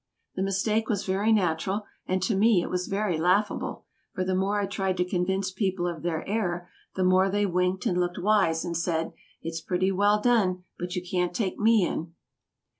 The mistake was very natural, and to me it was very laughable, for the more I tried to convince people of their error, the more they winked and looked wise, and said, "It's pretty well done, but you can't take me in."